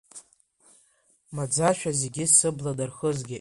Маӡашәа зегьы сыбла нархызгеит.